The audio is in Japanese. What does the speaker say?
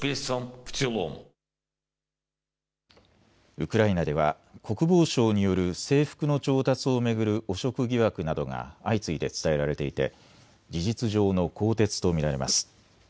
ウクライナでは国防省による制服の調達を巡る汚職疑惑などが相次いで伝えられていて事実上の更迭と見られます。